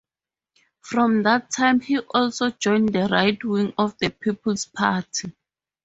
From that time he also joined the right wing of the People's Party.